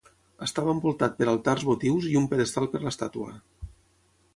Estava envoltat per altars votius i un pedestal per l'estàtua.